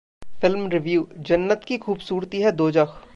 Film Review: जन्नत की खूबसूरती है 'दोजख'